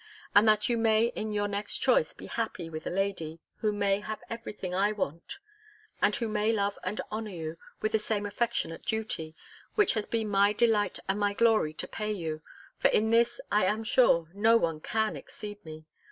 And that you may in your next choice be happy with a lady, who may have every thing I want; and who may love and honour you, with the same affectionate duty, which has been my delight and my glory to pay you: for in this I am sure, no one can exceed me!